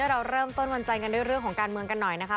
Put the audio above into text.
เราเริ่มต้นวันใจกันด้วยเรื่องของการเมืองกันหน่อยนะคะ